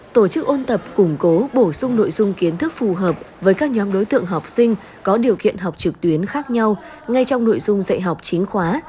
tổ chức ôn tập củng cố bổ sung nội dung kiến thức phù hợp với các nhóm đối tượng học sinh có điều kiện học trực tuyến khác nhau ngay trong nội dung dạy học chính khóa